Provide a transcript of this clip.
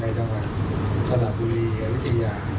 ในจังหวัดตลาดบุรีและวจิยา